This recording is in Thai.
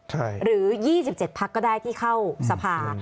หรือ๒๗พักก็ได้ที่เข้าสภา